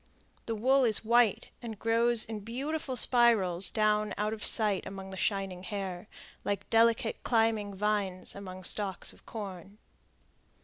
The wool is white, and grows in beautiful spirals down out of sight among the shining hair, like delicate climbing vines among stalks of corn.